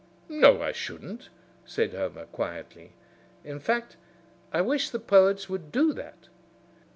"No, I shouldn't," said Homer, quietly; "in fact, I wish the poets would do that.